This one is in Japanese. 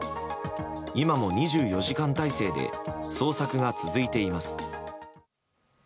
今も２４時間態勢で捜索が続いています。